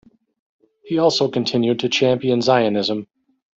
He also continued to champion Zionism.